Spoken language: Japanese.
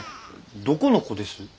どこの子です？